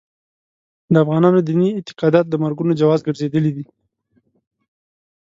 د افغانانو دیني اعتقادات د مرګونو جواز ګرځېدلي دي.